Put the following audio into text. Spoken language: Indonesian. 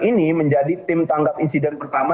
ini menjadi tim tanggap insiden pertama